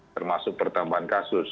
termasuk pertambahan kasus